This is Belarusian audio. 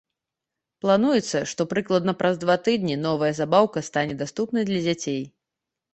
Плануецца, што прыкладна праз два тыдні новая забаўка стане даступнай для дзяцей.